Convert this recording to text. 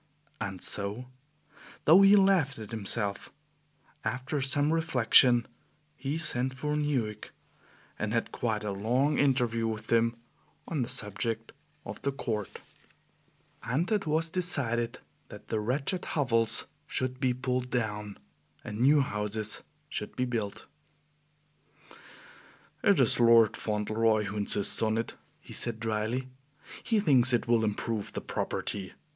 And so though he laughed at himself after some reflection, he sent for Newick, and had quite a long interview with him on the subject of the Court, and it was decided that the wretched hovels should be pulled down and new houses should be built. "It is Lord Fauntleroy who insists on it," he said dryly; "he thinks it will improve the property.